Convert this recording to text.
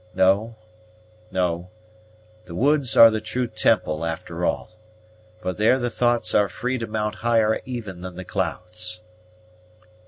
No no; the woods are the true temple after all, for there the thoughts are free to mount higher even than the clouds."